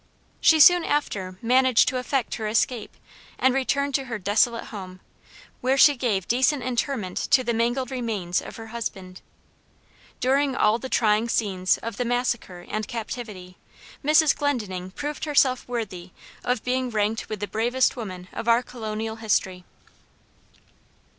She soon after managed to effect her escape and returned to her desolate home, where she gave decent interment to the mangled remains of her husband. During all the trying scenes of the massacre and captivity Mrs. Glendenning proved herself worthy of being ranked with the bravest women of our Colonial history.